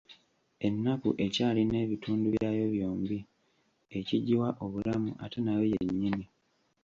Ennamu ekyalina ebitundu byayo byombi, ekigiwa obulamu ate nayo yennyini.